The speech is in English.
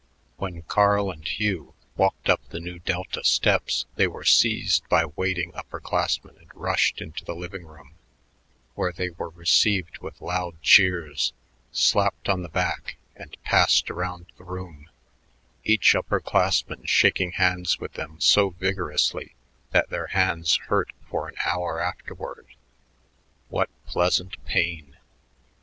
When Carl and Hugh walked up the Nu Delta steps, they were seized by waiting upper classmen and rushed into the living room, where they were received with loud cheers, slapped on the back, and passed around the room, each upper classman shaking hands with them so vigorously that their hands hurt for an hour afterward. What pleasant pain!